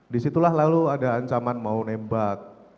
disitulah lalu ada ancaman mau nembak